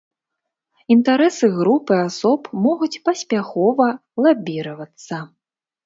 Інтарэсы групы асоб могуць паспяхова лабіравацца.